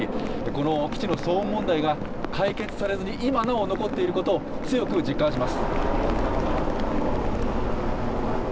この基地の騒音問題が、解決されずに今なお残っていることを、強く実感します。